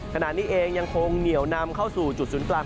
ขณะนี้เองยังคงเหนียวนำเข้าสู่จุดศูนย์กลาง